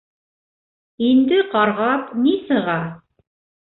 Инде ҡарғап ни сыға?